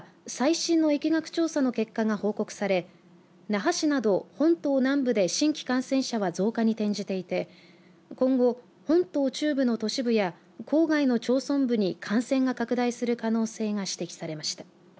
会議では最新の疫学調査の結果が報告され那覇市など本島南部で新規感染者は増加に転じていて今後、本島中部の都市部や郊外の町村部に感染が拡大する可能性が指摘されました。